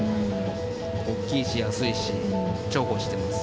大きいし安いし、重宝してます。